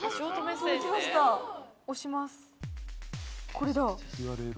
これだ。